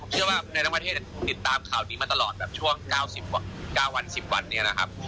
เชื่อว่าในทั้งประเทศติดตามข่าวนี้มาตลอดแบบช่วง๙วัน๑๐วันนี้นะครับ